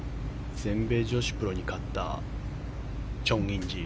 全米女子プロに勝ったチョン・インジ。